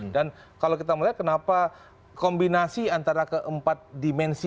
dan kalau kita melihat kenapa kombinasi antara keempat dimensi